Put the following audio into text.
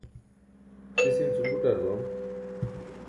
sis in cum buṭ ar bam